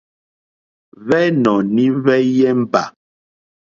Hwɛ́nɔ̀ní hwɛ́yɛ́mbà.